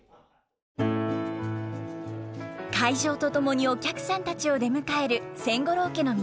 開場とともにお客さんたちを出迎える千五郎家の皆さん。